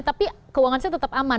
tapi keuangannya tetap aman